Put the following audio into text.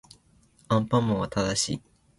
アンパンマンは正しい